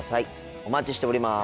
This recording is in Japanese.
お待ちしております。